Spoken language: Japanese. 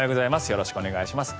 よろしくお願いします。